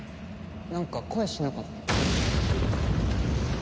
なんか声しなかった？